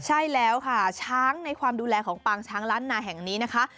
ใช่แล้วค่ะช้างในความดูแลของปางช้างล้านนาแห่งนี้นะคะ